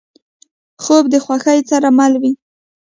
خوب د خوښۍ سره مل وي